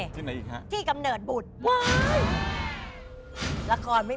จนลงทางหน้า